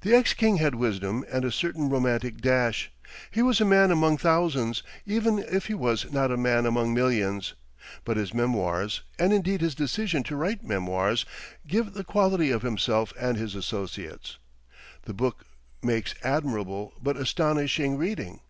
The ex king had wisdom and a certain romantic dash, he was a man among thousands, even if he was not a man among millions, but his memoirs, and indeed his decision to write memoirs, give the quality of himself and his associates. The book makes admirable but astonishing reading.